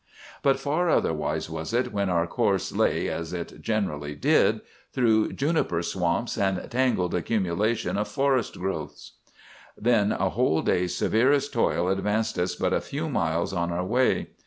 But far otherwise was it when our course lay, as it generally did, through "juniper" swamps and tangled accumulation of forest growths. "Then a whole day's severest toil advanced us but a few miles on our way.